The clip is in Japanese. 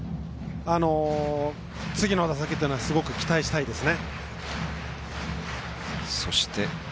次の打席というのは期待したいですね。